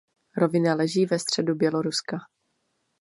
Rovina leží ve středu Běloruska.